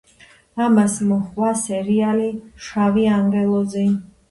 ამას მოჰყვა სერიალი „შავი ანგელოზი“.